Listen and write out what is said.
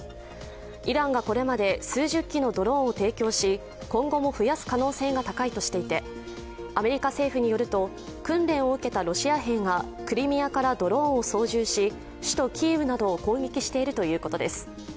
イランがこれまで数十機のドローンを提供し今後も増やす可能性が高いとしていてアメリカ政府によると、訓練をを受けたロシア兵がクリミアからドローンを操縦し、首都キーウなどを攻撃しているということです。